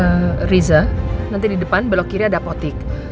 eee riza nanti di depan belok kiri ada potik